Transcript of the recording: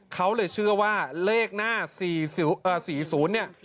เขาเลยเชื่อว่าเลขหน้า๔๐เนี่ย